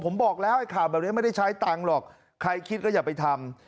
ผมบอกแล้วไอ้ข่าวแบบนี้ไม่ได้ใช้ตังค์หรอกใครคิดก็อย่าไปทำ